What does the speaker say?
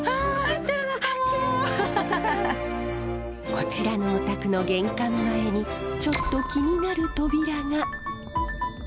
こちらのお宅の玄関前にちょっと気になる扉が。